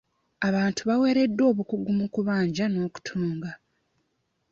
Abantu baweereddwa obukugu mu kubajja n'okutunga.